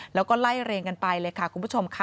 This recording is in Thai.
แล้วก็ไล่เรียงกันไปเลยค่ะคุณผู้ชมค่ะ